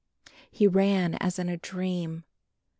He ran as in a dream.